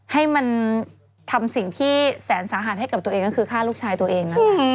ให้มันทำสิ่งที่แสนสาหัสให้กับตัวเองก็คือฆ่าลูกชายตัวเองนะคะ